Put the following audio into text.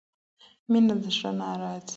مينه د زړه نه راځي.